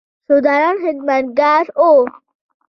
شودران خدمتګاران وو.